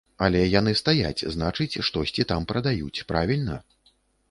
Але яны стаяць, значыць, штосьці там прадаюць, правільна?